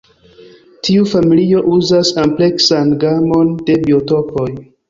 Tiu familio uzas ampleksan gamon de biotopoj.